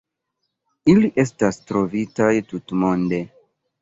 Ili estas trovitaj tutmonde.